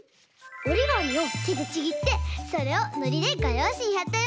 おりがみをてでちぎってそれをのりでがようしにはったよ。